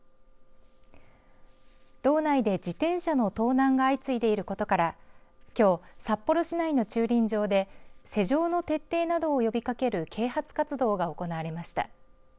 道内で自転車の盗難が相次いでいることからきょう、札幌市内の駐輪場で施錠の徹底などを呼びかける啓発活動が行われました。